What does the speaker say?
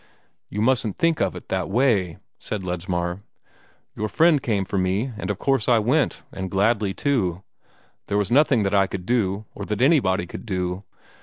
"You mustn't think of it that way," said Ledsmar; "your friend came for me, and of course I went; and gladly too. There was nothing that I could do, or that anybody could do.